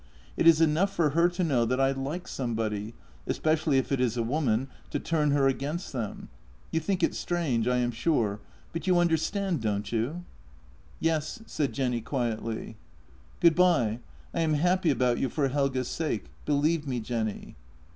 It is enough for her to know that I like somebody — especially if it is a woman — to turn her against them. You think it strange, I am sure, but you understand, don't you?" JENNY 137 " Yes," said Jenny quietly. "Good bye. I am happy about you for Helge's sake — be lieve me, Jenny."